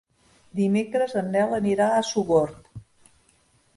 Dimecres en Nel anirà a Sogorb.